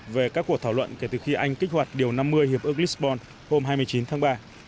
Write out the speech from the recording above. về các cuộc thảo luận kể từ khi anh kích hoạt điều năm mươi hiệp ước lisbon hôm hai mươi chín tháng ba